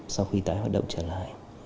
sau khi tái hoạt động trở lại